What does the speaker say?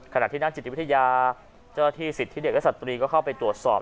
ขณะที่นักจิตวิทยาเจ้าหน้าที่สิทธิเด็กและสตรีก็เข้าไปตรวจสอบ